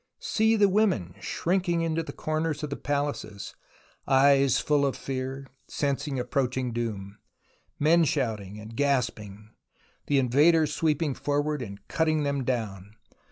See the women shrinking into the corners of the palaces, eyes full of fear, sensing approaching doom ; men shouting and gasping, the invaders sweeping forward and cutting them down.